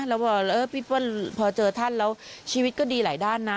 แล้วพอพี่เปิ้ลพอเจอท่านแล้วชีวิตก็ดีหลายด้านนะ